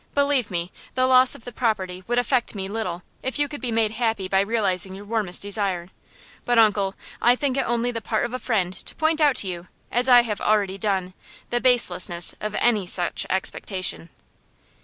"Believe me, the loss of the property would affect me little, if you could be made happy by realizing your warmest desire; but, uncle, I think it only the part of a friend to point out to you, as I have already done, the baselessness of any such expectation."